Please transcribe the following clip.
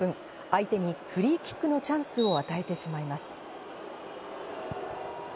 相手にフリーキックのチャンスを与えてしまいます。